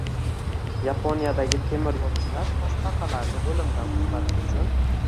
Yaponiyadagi temir yo‘lchilar toshbaqalarni o‘limdan qutqarish uchun